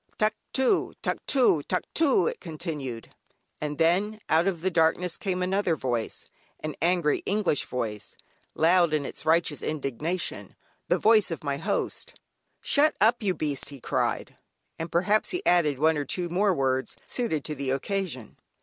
"Tuctoo, tuctoo, tuctoo," it continued. And then, out of the darkness came another voice, an angry English voice, loud in its righteous indignation, the voice of my host. "Shut up you beast," he cried, and perhaps he added one or two more words suited to the occasion.